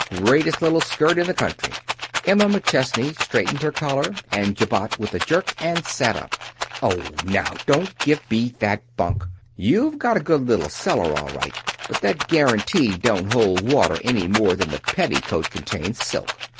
Greatest little skirt in the country." Emma McChesney straightened her collar and jabot with a jerk, and sat up. "Oh, now, don't give me that bunk. You've got a good little seller, all right, but that guaranty don't hold water any more than the petticoat contains silk.